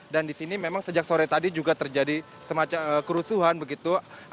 dan di sini memang sejak sore tadi juga terjadi semacam kerusuhan begitu